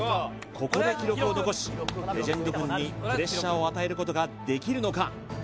ここで記録を残しレジェンド軍にプレッシャーを与えることができるのか？